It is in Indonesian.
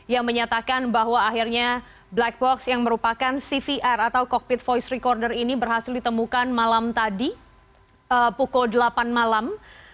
yang menyatakan bahwa akhirnya black box yang merupakan cvr atau cockpit voice recorder ini berhasil ditemukan malam tadi pukul delapan malam